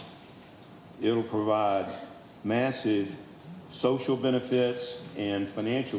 ini akan memberikan keuntungan sosial dan finansial